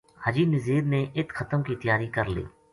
حاجی نزیر نے اِت ختم کی تیار ی کر لئی